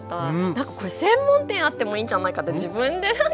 なんかこれ専門店あってもいいんじゃないかって自分でなんか。